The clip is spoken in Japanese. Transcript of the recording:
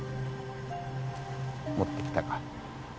持ってきたか？